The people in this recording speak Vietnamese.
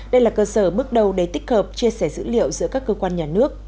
đây là cơ sở bước đầu để tích hợp chia sẻ dữ liệu giữa các cơ quan nhà nước